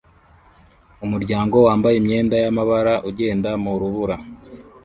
Umuryango wambaye imyenda y'amabara ugenda mu rubura